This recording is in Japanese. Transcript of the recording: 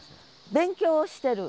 勉強をしてる。